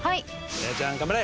怜奈ちゃん頑張れ。